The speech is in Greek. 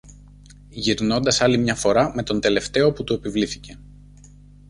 γυρνώντας άλλη μια φορά με τον τελευταίο που του επιβλήθηκε